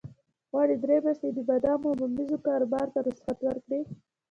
غواړي درې میاشتې د بادامو او ممیزو کاروبار ته رخصت ورکړي.